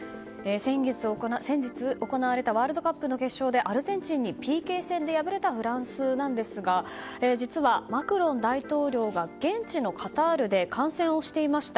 先日行われたワールドカップの決勝でアルゼンチンにＰＫ戦で敗れたフランスなんですが実はマクロン大統領が現地のカタールで観戦をしていました。